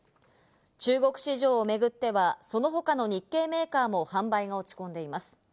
中国市場を巡っては、その他の日系メーカーも販売が落ち込んでいます。